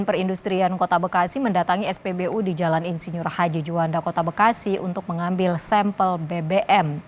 perindustrian kota bekasi mendatangi spbu di jalan insinyur haji juanda kota bekasi untuk mengambil sampel bbm